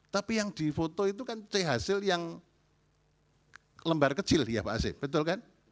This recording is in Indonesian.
tapi yang dipotong itu kan c hasil yang lembar kecil ya pak asim betul kan